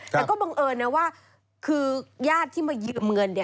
แต่ก็บังเอิญนะว่าคือญาติที่มายืมเงิน